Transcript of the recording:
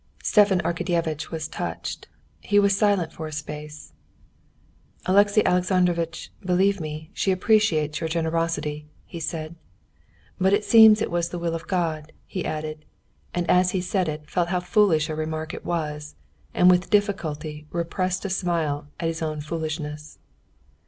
Stepan Arkadyevitch was touched. He was silent for a space. "Alexey Alexandrovitch, believe me, she appreciates your generosity," he said. "But it seems it was the will of God," he added, and as he said it felt how foolish a remark it was, and with difficulty repressed a smile at his own foolishness.